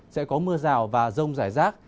sẽ có mưa rào và rông giải rác